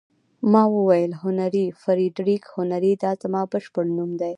ما وویل: هنري، فرېډریک هنري، دا زما بشپړ نوم دی.